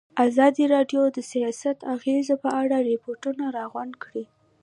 ازادي راډیو د سیاست د اغېزو په اړه ریپوټونه راغونډ کړي.